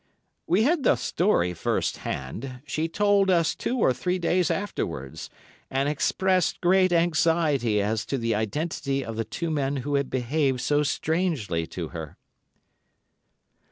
"'We had the story first hand. She told it us two or three days afterwards, and expressed great anxiety as to the identity of the two men who had behaved so strangely to her.